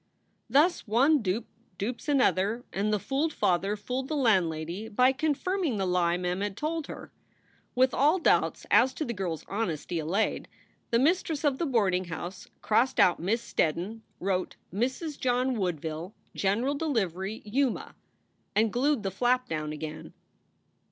Thus one dupe dupes another and the fooled father fooled the landlady by confirming the lie Mem had told her. With all doubts as to the girl s honesty allayed, the mistress of the boarding house crossed out "Miss Steddon," wrote, "Mrs. John Woodville, General Delivery, Yuma," and glued the flap down again.